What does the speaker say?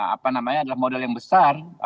apa namanya adalah modal yang besar